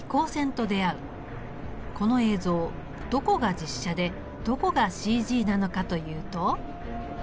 この映像どこが実写でどこがＣＧなのかというと。